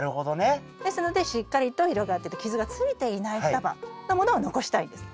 ですのでしっかりと広がってて傷がついていない双葉のものを残したいんです。